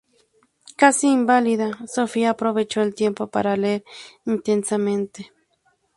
Casi inválida, Sofía aprovechó el tiempo para leer intensamente.